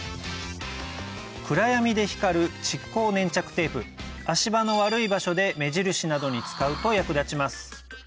暗闇で光る蓄光粘着テープ足場の悪い場所で目印などに使うと役立ちます